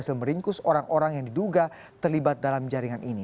semeringkus orang orang yang diduga terlibat dalam jaringan ini